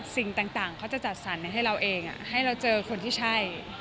สิ่งต่างเขาจะจัดสรรให้เราเองให้เราเจอคนที่ใช่